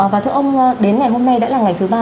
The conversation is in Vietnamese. và thưa ông đến ngày hôm nay đã là ngày thứ ba